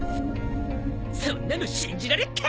そんなの信じられっか。